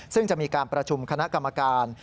ซึ่งจะมีการประชุมคณะกรรมการ